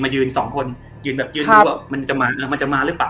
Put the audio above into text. ยืนสองคนยืนแบบยืนอยู่อ่ะมันจะมามันจะมาหรือเปล่า